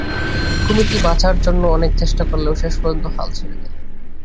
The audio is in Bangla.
কুমিরটি বাঁচার জন্য অনেক চেষ্টা করলেও শেষ পর্যন্ত হাল ছেড়ে দেয়।